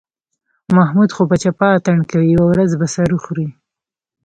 محمود خو په چپه اتڼ کوي، یوه ورځ به سر وخوري.